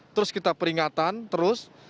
terus kita peringatan terus